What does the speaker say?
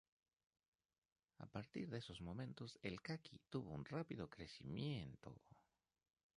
A partir de esos momentos el caqui tuvo un rápido crecimiento.